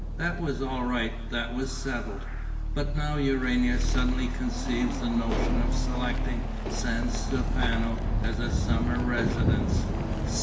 That was all right, that was settled. But now Urania suddenly conceives the notion of selecting San Stefano as a summer residence.